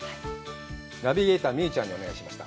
ナビゲーター、Ｍｉｙｕｕちゃんにお願いしました。